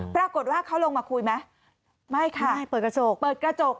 ปรากฏว่าเขาลงมาคุยไหมไม่ค่ะเปิดกระจก